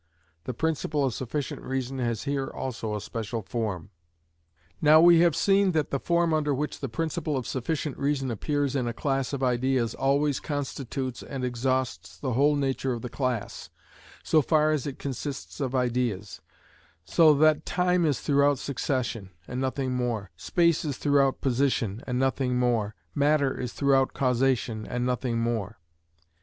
The principle of sufficient reason has here also a special form. Now we have seen that the form under which the principle of sufficient reason appears in a class of ideas always constitutes and exhausts the whole nature of the class, so far as it consists of ideas, so that time is throughout succession, and nothing more; space is throughout position, and nothing more; matter is throughout causation, and nothing more.